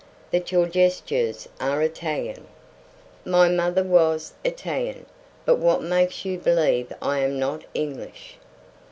"That your gestures are Italian." "My mother was Italian. But what makes you believe I am not English?"